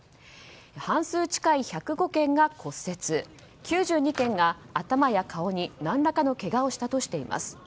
半数近い１０５件が骨折９２件が頭や顔に何らかのけがをしたとしています。